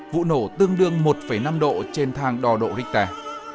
vụ nổ tương đương một năm độ trên thang đo độ richter